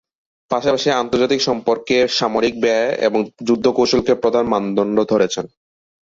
পাশাপাশি আন্তর্জাতিক সম্পর্কে সামরিক ব্যয় এবং যুদ্ধ-কৌশলকে প্রধান মানদণ্ড ধরেছেন।